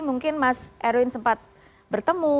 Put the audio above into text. mungkin mas erwin sempat bertemu